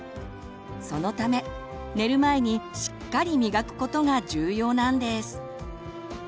そのため寝る前にしっかり磨くことが重要なんです。